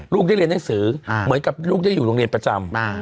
ลูกได้เรียนหนังสือเหมือนกับลูกได้อยู่โรงเรียนประจำ